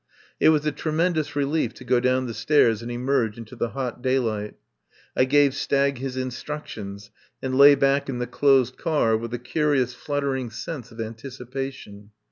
It was a tremendous relief to go down the stairs and emerge into the hot daylight. I gave Stagg his instructions, and lay back in the closed car with a curious fluttering sense of anticipation.